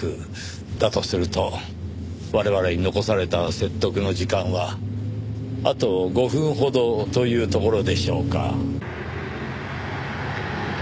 だとすると我々に残された説得の時間はあと５分ほどというところでしょうか。